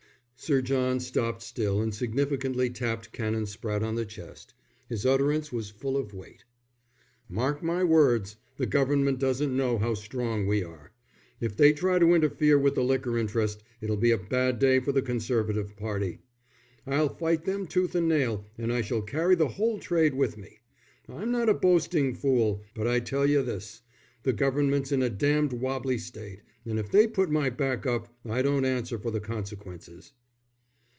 Sir John stopped still and significantly tapped Canon Spratte on the chest. His utterance was full of weight. "Mark my words. The Government doesn't know how strong we are. If they try to interfere with the liquor interest it'll be a bad day for the Conservative party. I'll fight them tooth and nail, and I shall carry the whole trade with me. I'm not a boasting fool, but I tell you this: the Government's in a damned wobbly state, and if they put my back up I don't answer for the consequences."